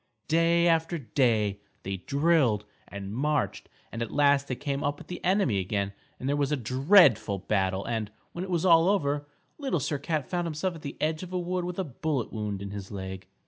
Day after day they drilled and marched, and at last they came up with the enemy again and there was a dreadful battle and, when it was all over, Little Sir Cat found himself at the edge of a wood with a bullet wound in his leg.